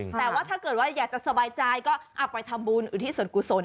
แต่ว่าถ้าเกิดว่าอยากจะสบายใจก็เอาไปทำบุญอุทิศส่วนกุศล